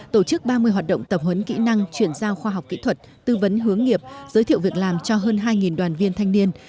tổ chức ba mươi hoạt động tập huấn kỹ năng chuyển giao khoa học kỹ thuật tư vấn hướng nghiệp giới thiệu việc làm cho hơn hai đoàn viên thanh niên